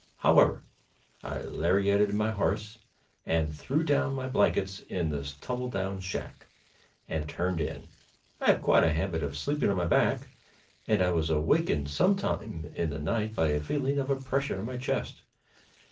However, I lariated my horse and threw down my blankets in this tumble down shack, and turned in. I have quite a habit of sleeping on my back, and I was awakened some time in the night by a feeling of oppression on my chest.